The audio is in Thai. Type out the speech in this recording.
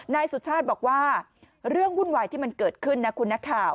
นายสุชาติบอกว่าเรื่องวุ่นวายที่มันเกิดขึ้นนะคุณนักข่าว